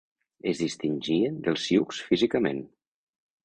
Es distingien dels sioux físicament.